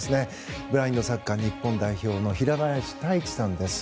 ブラインドサッカー日本代表の平林太一さんです。